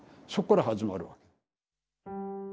そっから始まるわけ。